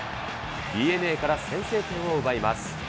ＤｅＮＡから先制点を奪います。